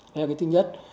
đây là cái thứ nhất